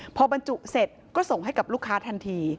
พอบรรจุเสร็จก็ส่งให้กับลูกค้าทันที